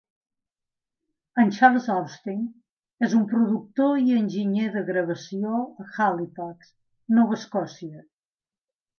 En Charles Austin és un productor i enginyer de gravació a Halifax, Nova Escòcia.